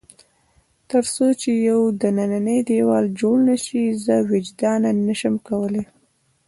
تر څو چې یو دننی دېوال جوړ نه شي، زه وجداناً نه شم کولای.